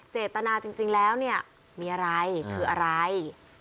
เจตนาจริงแล้วเนี่ยมีอะไรคืออะไร